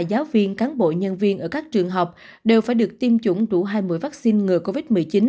giáo viên cán bộ nhân viên ở các trường học đều phải được tiêm chủng đủ hai mươi vaccine ngừa covid một mươi chín